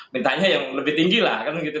mintanya yang lebih tinggi lah kan gitu